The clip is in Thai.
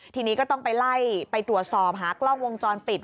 ทีนี้ก็ต้องไปไล่ไปตรวจสอบหากล้องวงจรปิด